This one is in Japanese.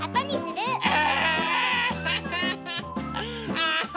ああ。